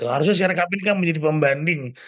harusnya si rekap ini kan menjadi pembanding